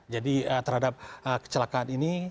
jadi terhadap kecelakaan ini